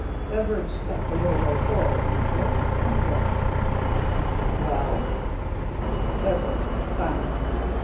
Beveridge stepped a little way forward and looked and looked. "Well?" Beveridge was silent.